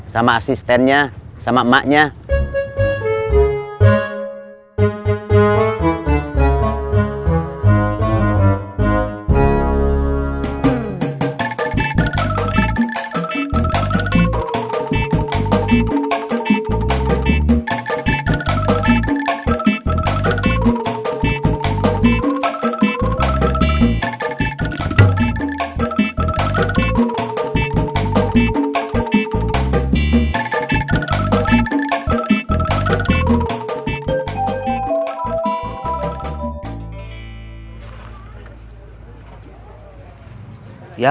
sama asistennya sama emaknya